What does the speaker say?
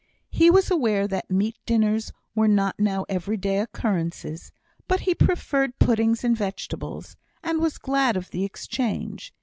He was aware that meat dinners were not now every day occurrences; but he preferred puddings and vegetables, and was glad of the exchange.